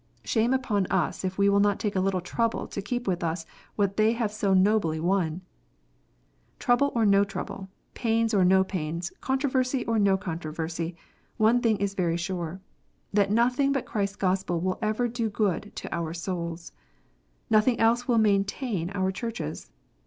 Shame upon us, if we will not take a little trouble to keep with us what they so nobly won ! Trouble or no trouble, pains or no pains, controversy or no controversy, one thing is very sure, that nothing but Christ s Gospel will ever do good to our own souls. Nothing else will maintain our Churches.